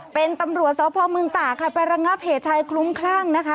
เป็นตำรวจสพเมืองตากค่ะไประงับเหตุชายคลุ้มคลั่งนะคะ